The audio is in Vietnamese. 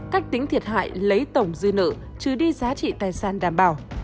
cách tính thiệt hại lấy tổng dư nợ trừ đi giá trị tài sản đảm bảo